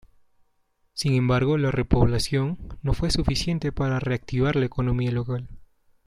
Sin embargo la repoblación no fue suficiente para reactivar la economía local.